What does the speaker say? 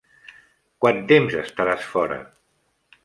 Quant temps estaràs fora?